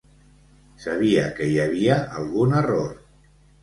Sabia que hi havia algun error.